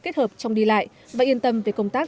kết hợp trong đi lại và yên tâm về công tác